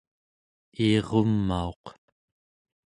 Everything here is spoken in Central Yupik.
iirumauq